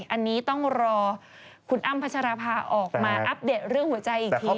อันนี้ต้องรอคุณอ้ำพัชราภาออกมาอัปเดตเรื่องหัวใจอีกที